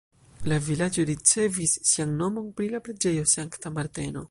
La vilaĝo ricevis sian nomon pri la preĝejo Sankta Marteno.